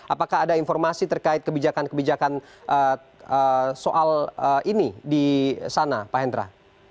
apakah ada informasi terkait kebijakan kebijakan soal ini di sana pak hendra